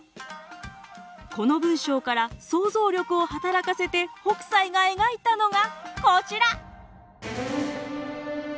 この文章から想像力を働かせて北斎が描いたのがこちら！